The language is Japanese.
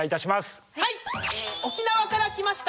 同じく沖縄から来ました